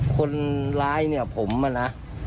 คนร้ายเนี่ยผมอะนะ